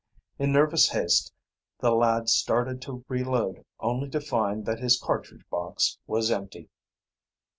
In nervous haste the lad started to re load only to find that his cartridge box was empty.